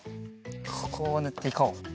ここをぬっていこう。